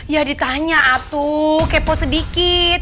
ya ditanya atu kepo sedikit